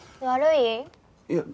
悪い？